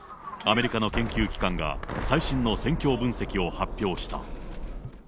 アメリカの研究機関が、最新の戦況分析を発表した。